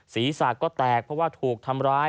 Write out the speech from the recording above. ศีรษะก็แตกเพราะว่าถูกทำร้าย